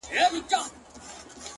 د طبيعت دې نندارې ته ډېر حيران هم يم;